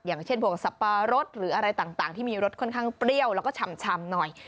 อย่างเช่นพวกสับปะรดหรืออะไรต่างที่มีรสค่อนข้างเปรี้ยวแล้วก็ชำหน่อย